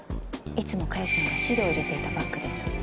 いつも加代ちゃんが資料を入れていたバッグです。